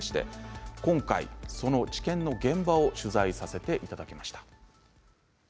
今回その治験の現場を取材させていただきました。